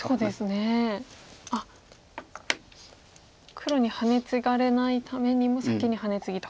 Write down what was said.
黒にハネツガれないためにも先にハネツギと。